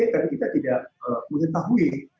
tapi kita tidak mengetahui